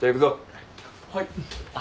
はい。